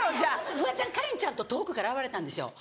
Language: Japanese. フワちゃんカレンちゃんと遠くから現れたんですよ。